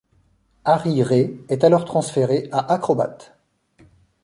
Harry Rée est alors transféré à Acrobat.